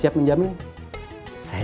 tidak boleh tidak meluncuri